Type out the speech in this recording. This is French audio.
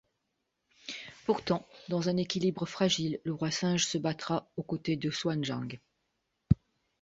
Pourtant, dans un équilibre fragile, le Roi Singe se battra aux côtés de Xuanzang.